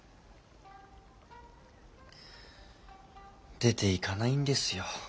出て行かないんですよ。